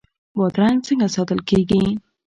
بادرنګ څنګه ساتل کیږي؟